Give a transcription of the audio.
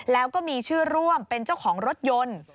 แล้วก็มีชื่อร่วมเป็นเจ้าของรถยนต์